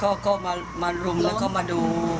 เขาก็มาหลุงกันมาดู